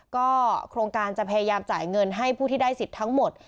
ก็โครงการจะพยายามจ่ายเงินให้ผู้ที่ได้สิทธิ์ทั้งหมด